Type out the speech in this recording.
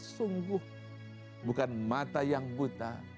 sungguh bukan mata yang buta